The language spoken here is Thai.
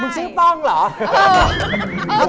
คุณชื่อป้องเหรอ